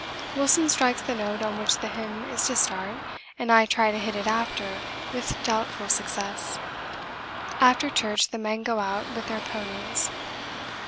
Wilson strikes the note on which the hymn is to start and I try to hit it after with doubtful success! After church the men go out with their ponies.